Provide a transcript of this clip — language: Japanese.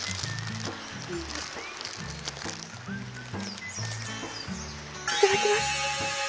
いただきます。